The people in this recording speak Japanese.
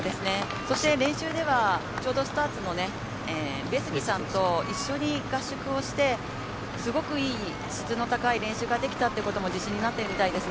練習ではスターツの上杉さんと一緒に合宿をしてすごくいい質の高い練習ができたということも自信になってるみたいですね。